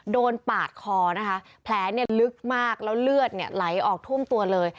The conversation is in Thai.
ปาดคอนะคะแผลเนี่ยลึกมากแล้วเลือดเนี่ยไหลออกท่วมตัวเลย